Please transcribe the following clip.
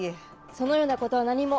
そのようなことは何も。